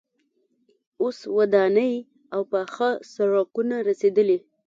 اوس ودانۍ او پاخه سړکونه رسیدلي.